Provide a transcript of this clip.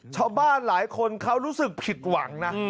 ชาวบ้านหลายคนเขารู้สึกผิดหวังนะ